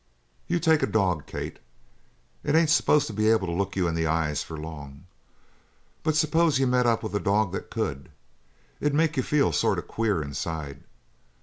You take a dog, Kate. It ain't supposed to be able to look you in the eye for long; but s'pose you met up with a dog that could. It'd make you feel sort of queer inside.